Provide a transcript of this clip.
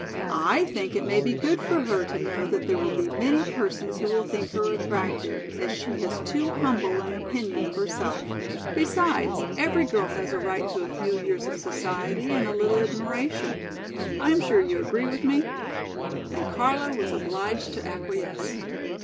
I think it may be good for her to know that there will be many persons who will think her attractive, as she has too humble an opinion of herself. Besides, every girl has a right to a few years of society and a little admiration. I am sure you agree with me?" And Carlo was obliged to acquiesce.